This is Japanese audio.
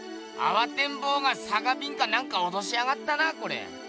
あわてんぼうがさかびんかなんかおとしやがったなこれ！